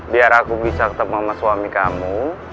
biar aku bisa ketemu sama suami kamu